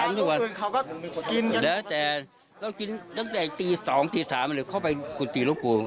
อย่างที่ว่าเรากินตั้งแต่ตี๒๓นี้เข้าไปตีลูกปู่